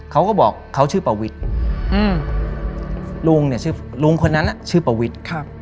เขาก็บอกเขาชื่อปวิทย์ลุงคนนั้นชื่อปวิทย์